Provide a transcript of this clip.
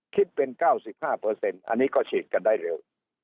คิดเป็นเก้าสิบห้าเปอร์เซ็นต์อันนี้ก็ขีดกันได้เร็ว